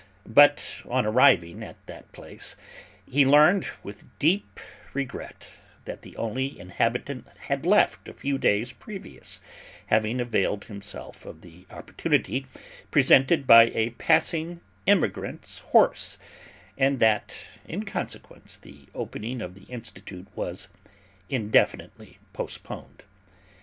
But, on arriving at that place, he learned with deep regret, that the only inhabitant had left a few days previous, having availed himself of the opportunity presented by a passing emigrant's horse, and that, in consequence, the opening of the Institute was indefinitely postponed.